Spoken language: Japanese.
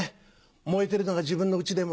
燃えてるのが自分の家でも。